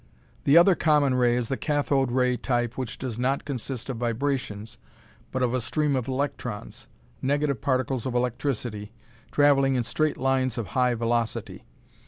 The other common ray is the cathode ray type which does not consist of vibrations but of a stream of electrons, negative particles of electricity, traveling in straight lines of high velocity.